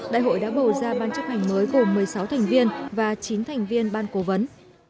đại hội đã bầu ra ban chấp hành mới gồm một mươi sáu thành viên và chín thành viên ban cố vấn